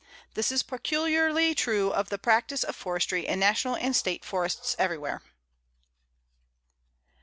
This is peculiarly true of the practice of forestry in National and State Forests everywhere.